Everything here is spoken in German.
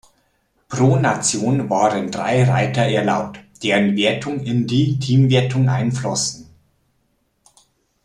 Pro Nation waren drei Reiter erlaubt, deren Wertung in die Teamwertung einflossen.